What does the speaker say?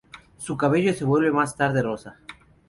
Su cabello se vuelve más tarde rosa.